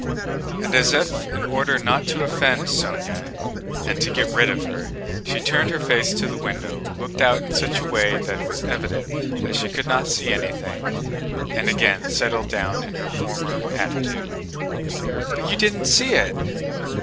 And as if in order not to offend Sónya and to get rid of her, she turned her face to the window, looked out in such a way that it was evident that she could not see anything, and again settled down in her former attitude. "But you didn't see it!"